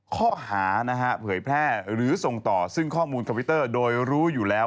ข้อหานะฮะเผยแพร่หรือส่งต่อซึ่งข้อมูลคอมพิวเตอร์โดยรู้อยู่แล้ว